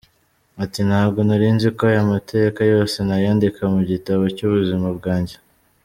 Ati “Ntabwo nari nzi ko aya mateka yose nayandika mu gitabo cy’ubuzima bwanjye.